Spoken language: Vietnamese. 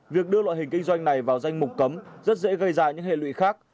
việc đưa loại hình kinh doanh này vào danh mục cấm rất dễ gây ra những hệ lụy khác